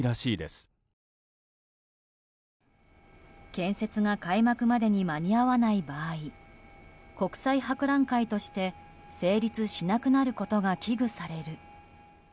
建設が開幕までに間に合わない場合国際博覧会として成立しなくなることが危惧される。